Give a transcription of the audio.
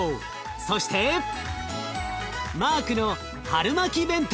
そしてマークの春巻き弁当。